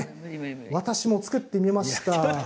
私も作ってみました。